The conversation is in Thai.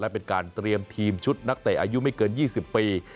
เป็นการเตรียมทีมชุดนักเตะอายุไม่เกิน๒๐ปี